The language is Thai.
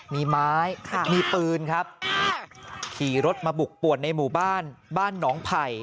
มีไม้มีปืนครับขี่รถมาบุกป่วนในหมู่บ้านบ้านหนองไผ่